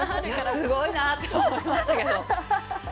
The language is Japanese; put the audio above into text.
すごいなって思いましたけども。